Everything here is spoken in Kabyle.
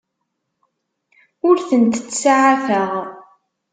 Ur tent-ttsaɛafeɣ.